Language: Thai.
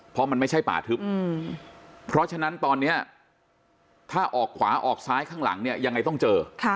เพราะมันไม่ใช่ป่าทึบเพราะฉะนั้นตอนนี้ถ้าออกขวาออกซ้ายข้างหลังเนี่ยยังไงต้องเจอ